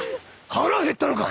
腹減ったのか？